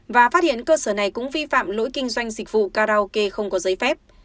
và phát hiện cơ sở này cũng vi phạm lỗi kinh doanh dịch vụ karaoke không có giấy phép